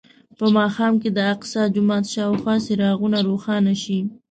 په ماښام کې د الاقصی جومات شاوخوا څراغونه روښانه شي.